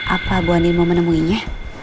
apa bu andin mau menemuinya